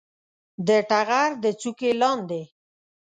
د ټغر د څوکې لاندې